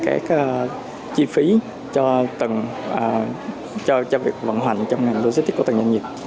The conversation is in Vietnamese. cái chi phí cho việc vận hoành trong ngành logistics của từng doanh nghiệp